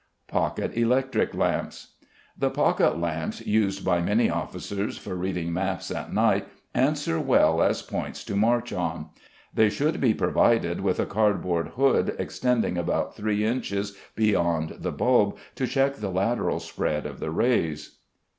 Pocket Electric Lamps. The pocket lamps used by many officers for reading maps at night answer well as points to march on. They should be provided with a cardboard hood extending about three inches beyond the bulb, to check the lateral spread of the rays.